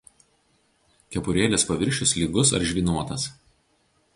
Kepurėlės paviršius lygus ar žvynuotas.